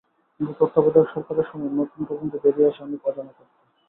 কিন্তু তত্ত্বাবধায়ক সরকারের সময় নতুন তদন্তে বেরিয়ে আসে অনেক অজানা তথ্য।